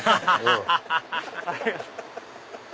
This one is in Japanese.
アハハハハ！